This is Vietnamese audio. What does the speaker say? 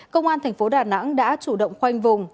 công an thành phố đà nẵng đã chủ động khoanh vùng